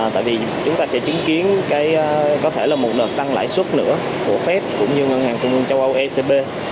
tại vì chúng ta sẽ chứng kiến có thể là một đợt tăng lãi suất nữa của fed cũng như ngân hàng châu âu ecb